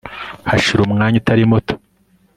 hashira umwanya utari muto